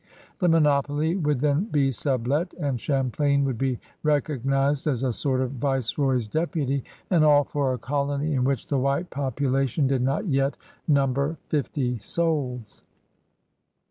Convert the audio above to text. The monopoly would then be sublet, and Champlain would be recog nized as a sort of viceroy's deputy. And all for a colony in which the white population did not yet number fifty souls!